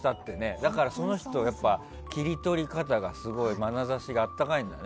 だから、その人やっぱり切り取り方がすごいまなざしが温かいんだね。